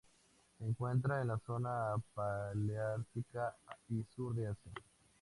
Se encuentra en la zona paleártica y Sur de Asia.